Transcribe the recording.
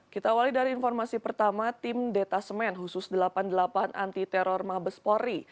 kita awali dari informasi pertama tim detasemen khusus delapan puluh delapan anti teror mabespori